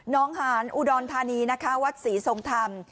น้องหานอุดรธานีนะคะวัดศรีทรงธรรม